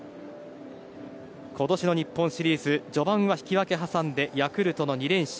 今年の日本シリーズ序盤は引き分け挟んでヤクルトの２連勝